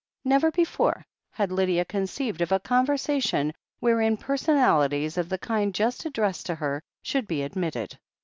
Never before had Lydia conceived of a conversation wherein personalities of the kind just addressed to her 220 THE HEEL OF ACHILLES should be admitted.